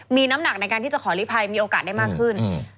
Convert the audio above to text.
มีน้ำหนักในการที่จะขอลิภัยมีโอกาสได้มากขึ้น